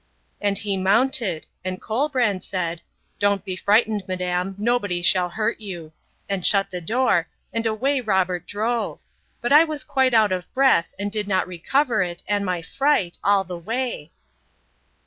And he mounted; and Colbrand said, Don't be frightened, madam; nobody shall hurt you.—And shut the door, and away Robert drove; but I was quite out of breath, and did not recover it, and my fright, all the way.